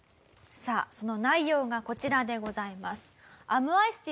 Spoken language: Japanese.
さあその内容がこちらでございます。